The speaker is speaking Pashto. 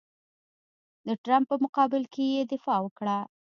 د ټرمپ په مقابل کې یې دفاع وکړه.